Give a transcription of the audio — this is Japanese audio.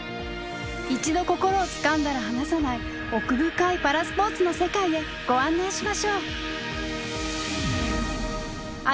一度心をつかんだら離さない奥深いパラスポーツの世界へご案内しましょう。